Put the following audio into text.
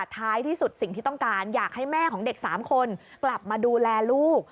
ท้ายที่สุดสิ่งที่ต้องการอยากให้แม่ของเด็ก๓คนกลับมาดูแลลูก